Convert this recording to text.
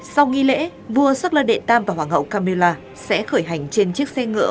sau nghi lễ vua shackler đệ tam và hoàng hậu camilla sẽ khởi hành trên chiếc xe ngựa